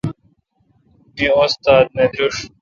می استاد نہ درݭ ۔